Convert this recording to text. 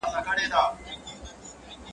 o د مرور برخه کونه ور خوري.